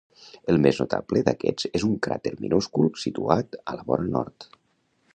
El més notable d'aquests és un cràter minúscul situat a la vora nord.